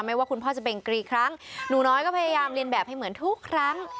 ว่าคุณพ่อจะเป็นกรีครั้งหนูน้อยก็พยายามเรียนแบบให้เหมือนทุกครั้ง